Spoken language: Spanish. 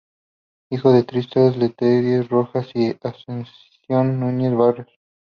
Hijo de Tristán Letelier Rojas y de Ascensión Nuñez Barrios.